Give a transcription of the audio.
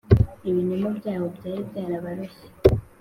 ibinyoma byabo byari byarabaroshye,